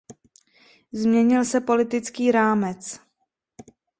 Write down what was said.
Změnil se politický rámec.